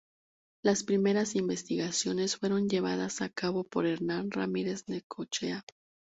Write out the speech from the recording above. Las primeras investigaciones fueron llevadas a cabo por Hernán Ramírez Necochea.